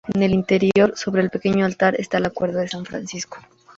En el interior, sobre el pequeño altar, está la cuerda de San Francisco.